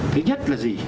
thứ nhất là gì